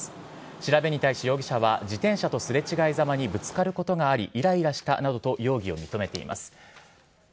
調べに対し容疑者は、自転車とすれ違いざまにぶつかることがあり、いらいらしたなどと容疑を認めています。